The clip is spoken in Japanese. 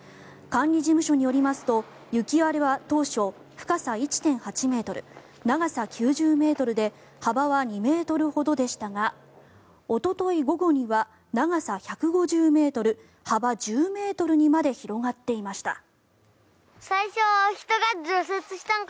管理事務所によりますと雪割れは当初、深さ１．８ｍ長さ９０ｍで幅は２ｍほどでしたがおととい午後には長さ１５０ｍ、幅１０ｍにまで広がっていました。